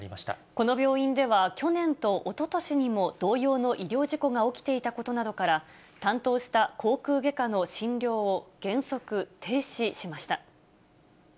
この病院では、去年とおととしにも同様の医療事故が起きていたことなどから、担当した口くう外科の診療を原則停止しました。